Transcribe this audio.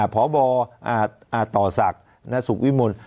พบต่อศักดิ์สุขวิมล